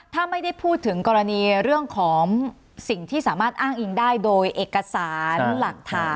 ถ้าไม่ได้พูดถึงกรณีเรื่องของสิ่งที่สามารถอ้างอิงได้โดยเอกสารหลักฐาน